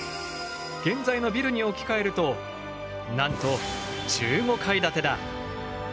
現在のビルに置き換えるとなんと１５階建てだ！